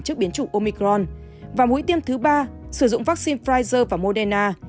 trước biến chủng omicron và mũi tiêm thứ ba sử dụng vaccine pfizer và moderna